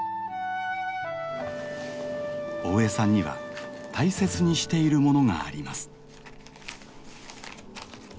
大江さんには大切にしているものがあります。